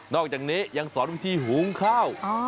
อกจากนี้ยังสอนวิธีหุงข้าว